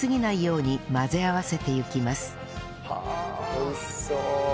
美味しそう。